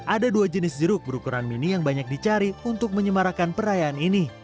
ada dua jenis jeruk berukuran mini yang banyak dicari untuk menyemarakan perayaan ini